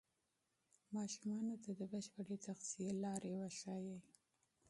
ماشومانو ته د بشپړې تغذیې لارې وښایئ.